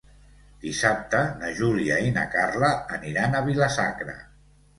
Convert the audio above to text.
Dissabte na Júlia i na Carla aniran a Vila-sacra.